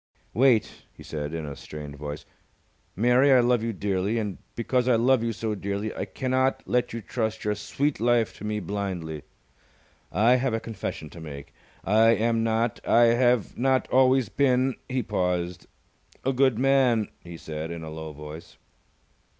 "Wait!" he said, in a strained voice. "Mary, I love you dearly, and because I love you so dearly I cannot let you trust your sweet life to me blindly. I have a confession to make, I am not I have not always been" he paused "a good man," he said, in a low voice.